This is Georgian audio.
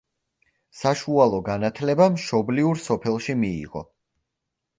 საშუალო განათლება მშობლიურ სოფელში მიიღო.